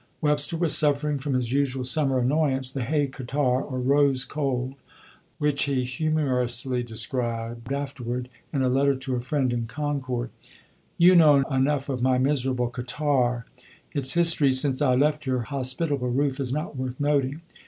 Webster was suffering from his usual summer annoyance, the "hay catarrh," or "rose cold," which he humorously described afterward in a letter to a friend in Concord: "You know enough of my miserable catarrh. Its history, since I left your hospitable roof, is not worth noting.